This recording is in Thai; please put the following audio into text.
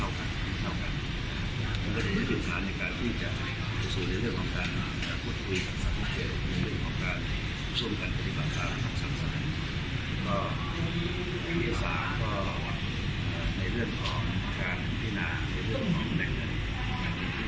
แล้วก็เมษาก็ในเรื่องของการพินาในเรื่องของแหล่งเงิน